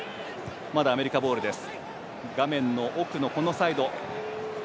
まだアメリカボールです。